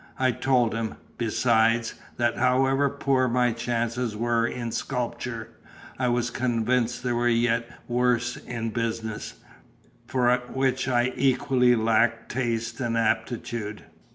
I told him, besides, that however poor my chances were in sculpture, I was convinced they were yet worse in business, for which I equally lacked taste and aptitude.